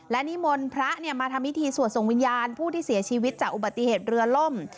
และนิมนต์พระมาทำพิธีสวดส่งวิญญาณผู้ที่เสียชีวิตจากอุบัติเหตุเรือล่ม